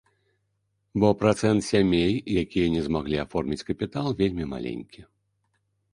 Бо працэнт сямей, якія не змаглі аформіць капітал, вельмі маленькі.